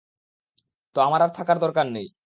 তো আমার আর থাকার দরকার নেই।